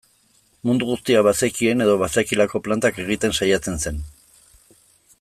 Mundu guztiak bazekien edo bazekielako plantak egiten saiatzen zen.